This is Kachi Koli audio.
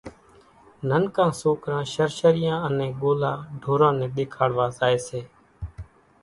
ننڪان سوڪران شرشريان انين ڳولا ڍوران نين ۮيکاڙوا زائي سي